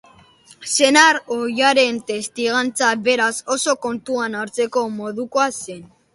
Senar ohiaren testigantza, beraz, oso kontuan hartzekoa modukoa zen.